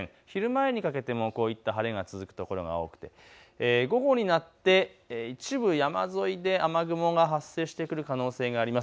昼前にかけてはこういった晴れが続く所が多くて午後になって一部山沿いで雨雲が発生してくる可能性があります。